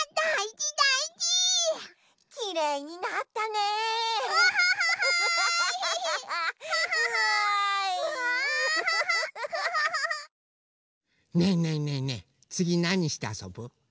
ねえねえねえねえつぎなにしてあそぶ？